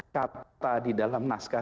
kata di dalam naskah